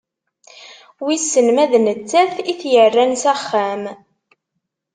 Wissen ma d nettat i t-yerran s axxam.